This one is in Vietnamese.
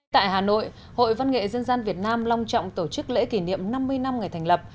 tại hà nội hội văn nghệ dân gian việt nam long trọng tổ chức lễ kỷ niệm năm mươi năm ngày thành lập